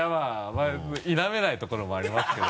否めないところもありますけど。